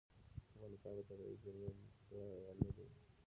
افغانستان په طبیعي زیرمې غني دی.